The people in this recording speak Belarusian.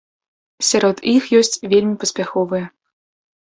Сярод іх ёсць вельмі паспяховыя.